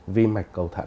vi mạch cầu tiểu đường